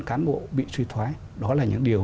cán bộ bị suy thoái đó là những điều